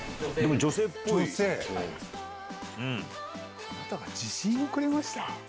女性⁉「あなたが自信をくれました」？